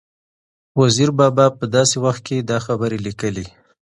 وزیر بابا په داسې وخت کې دا خبرې لیکلي